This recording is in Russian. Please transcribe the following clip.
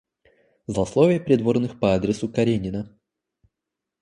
Злословие придворных по адресу Каренина.